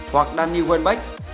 hoặc dani wernbeck